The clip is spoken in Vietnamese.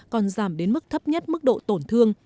còn giảm đến mức thấp nhất mức độ tổn thương